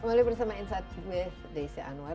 kembali bersama insight with desi anwar